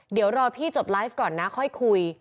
เดี๋ยวรอพี่จบไลฟ์ก่อนนะค่อยคุย